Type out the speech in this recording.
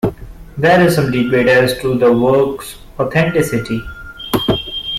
There is some debate as to the work's authenticity.